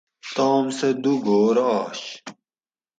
تام سہ دُو گھور آش